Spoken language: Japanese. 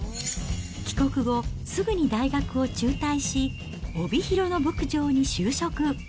帰国後、すぐに大学を中退し、帯広の牧場に就職。